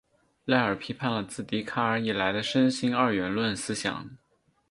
赖尔批判了自笛卡尔以来的身心二元论思想。